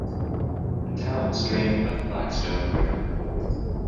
The town is drained by the Blackstone River.